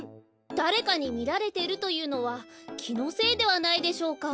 だれかにみられてるというのはきのせいではないでしょうか？